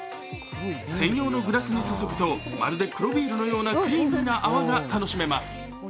専用のグラスに注ぐとまるで黒ビールのようなクリーミーな泡が楽しめます。